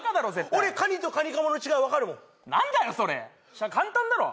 俺カニとカニカマの違いわかるもん何だよそれ簡単だろ！